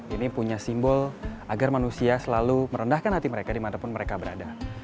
ini punya simbol agar manusia selalu merendahkan hati mereka dimanapun mereka berada